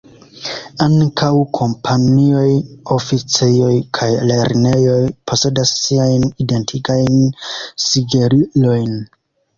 Ankaŭ kompanioj, oficejoj kaj lernejoj posedas siajn identigajn sigelilojn.